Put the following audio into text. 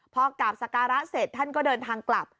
พอกราบสการะเสร็จท่านก็เดินทางกลับ